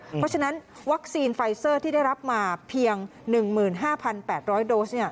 เพราะฉะนั้นวัคซีนไฟเซอร์ที่ได้รับมาเพียง๑๕๘๐๐โดส